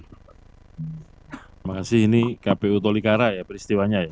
terima kasih ini kpu tolikara ya peristiwanya ya